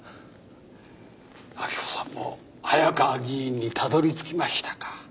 明子さんも早川議員にたどりつきましたか。